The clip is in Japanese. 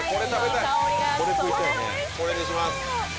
これにします。